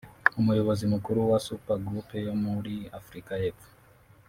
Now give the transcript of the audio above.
Umuyobozi Mukuru wa Super Group yo muri Afurika y’Epfo